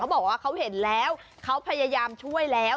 บอกว่าเขาเห็นแล้วเขาพยายามช่วยแล้ว